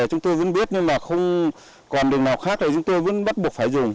chúng tôi vẫn biết nhưng mà không còn đường nào khác thì chúng tôi vẫn bắt buộc phải dùng